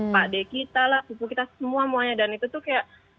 pak d kita lah ibu kita semua mau ada dan itu tuh kayak